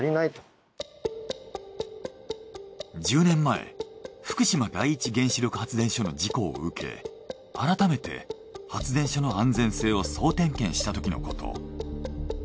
１０年前福島第一原子力発電所の事故を受け改めて発電所の安全性を総点検したときのこと。